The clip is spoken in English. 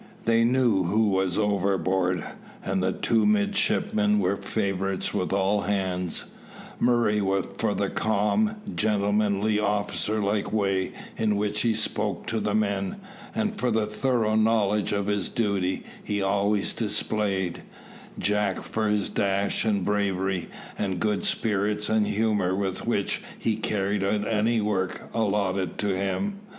They knew who was overboard, and the two midshipmen were favourites with all hands: Murray for the calm, gentlemanly, officer like way in which he spoke to the men, and for the thorough knowledge of his duty he always displayed; Jack for his dash and bravery, and good spirits and humour with which he carried out any work allotted to him.